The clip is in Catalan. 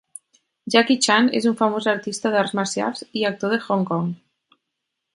Jackie Chan és un famós artista d'arts marcials i actor de Hong Kong.